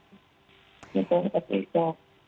itu seperti itu